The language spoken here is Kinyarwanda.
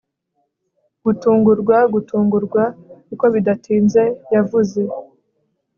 gutungurwa, gutungurwa, kuko bidatinze yavuze